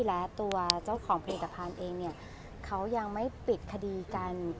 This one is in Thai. และตัวเจ้าของผลิตภัณฑ์เองเนี่ยเขายังไม่ปิดคดีกัน